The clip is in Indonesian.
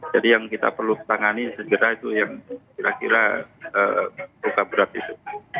jadi yang kita perlu tangani segera itu yang kira kira buka berat itu